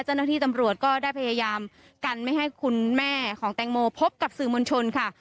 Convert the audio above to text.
เจ้าหน้าที่ตำรวจก็ได้พยายามกันไม่ให้คุณแม่ของแตงโมพบกับสื่อมวลชนค่ะ